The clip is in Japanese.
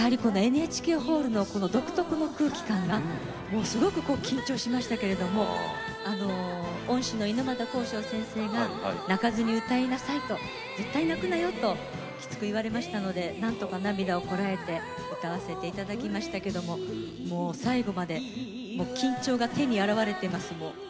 ＮＨＫホールの独特の空気感がすごく緊張しましたけれど恩師の猪俣公章先生が泣かずに歌いなさいと絶対泣くなよときつく言われましたのでなんとか涙をこらえて歌わせていただきましたけどもう最後まで緊張が手に現れています。